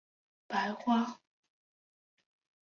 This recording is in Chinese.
白花风筝果为金虎尾科风筝果属下的一个种。